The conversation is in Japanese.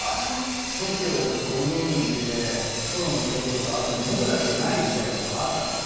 ＴＯＫＩＯ５人でソロの仕事とかあっても僕だけない時代みたいのがあったんですよ。